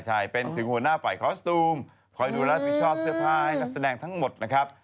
ใช่เป็นถึงหัวหน้าฝ่ายคอสตูมคอยดูรับผิดชอบเสื้อผ้าให้นักแสดงทั้งหมดนะครับ